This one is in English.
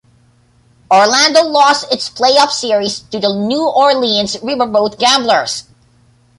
Orlando lost its playoff series to the New Orleans Riverboat Gamblers.